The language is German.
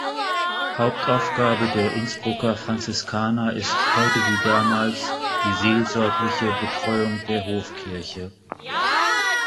Hauptaufgabe der Innsbrucker Franziskaner ist heute wie damals die seelsorgliche Betreuung der Hofkirche.